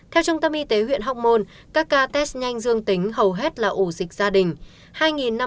theo trung tâm y tế huyện hóc môn các ca test nhanh dương tính hầu hết là ổ dịch gia đình